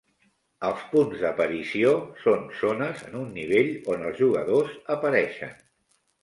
"Els punts d'aparició" són zones en un nivell on els jugadors apareixen.